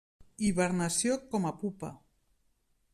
Hibernació com a pupa.